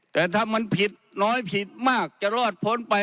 แต่ถ้ามันผิดน้อยผิดมากจะรอดพ้นไป